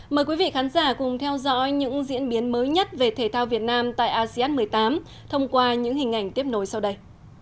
mời quý vị khán giả cùng theo dõi những diễn biến mới nhất về thể thao việt nam tại asean một mươi tám thông qua những hình ảnh tiếp nối sau đây